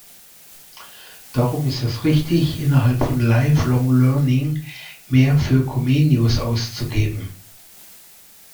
Darum ist es richtig, innerhalb von lifelong learning mehr für Comenius auszugeben.